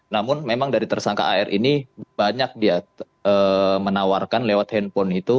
namun memang dari tersangka ar ini banyak dia menawarkan lewat handphone itu